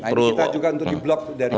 kita juga untuk di block dari bssn